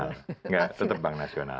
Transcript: ya tetap menjadi bank nasional